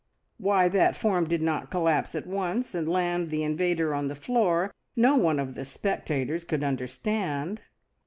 Why that form did not collapse at once, and land the invader on the floor, no one of the spectators could understand!